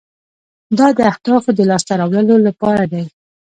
دا د اهدافو د لاسته راوړلو لپاره دی.